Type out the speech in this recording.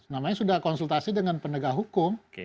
namanya sudah konsultasi dengan penegak hukum